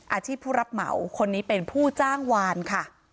ผู้รับเหมาคนนี้เป็นผู้จ้างวานค่ะ